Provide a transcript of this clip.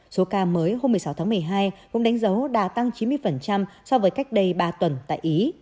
số ca mới hôm một mươi sáu tháng một mươi hai cũng đánh dấu đã tăng chín mươi so với cách đây ba tuần tại ý